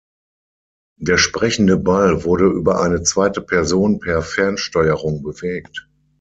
Der sprechende Ball wurde über eine zweite Person per Fernsteuerung bewegt.